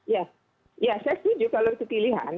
ya ya saya setuju kalau itu pilihan